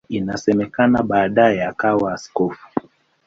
Inasemekana baadaye akawa askofu.